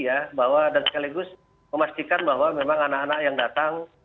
jadi ya bahwa dan sekaligus memastikan bahwa memang anak anak yang datang